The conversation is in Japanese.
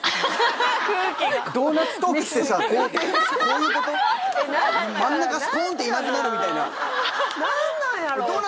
・空気が真ん中スポーンっていなくなるみたいな何なんやろう？